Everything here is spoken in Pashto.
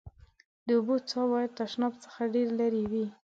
د اوبو څاه باید تشناب څخه ډېر لېري وي.